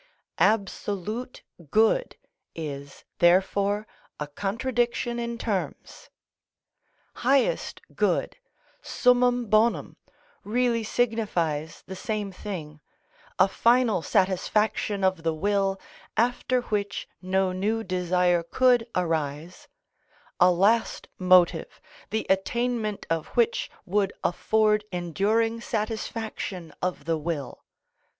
Absolute good is, therefore, a contradiction in terms; highest good, summum bonum, really signifies the same thing—a final satisfaction of the will, after which no new desire could arise,—a last motive, the attainment of which would afford enduring satisfaction of the will.